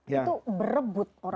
itu berebut orang orang